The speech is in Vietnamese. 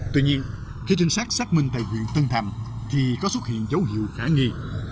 tuy nhiên khi trinh sát xác minh tại huyện tân thành thì có xuất hiện dấu hiệu khả nghi